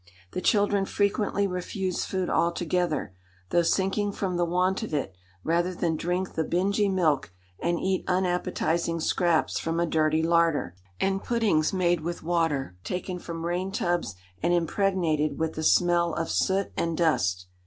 The children frequently refused food altogether, though sinking from the want of it, rather than drink the "bingy" milk, and eat unappetising scraps from a dirty larder, and puddings made with water taken from rain tubs and impregnated with the smell of soot and dust.